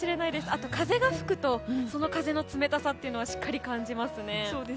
あと風が吹くとその風の冷たさはしっかり感じますね。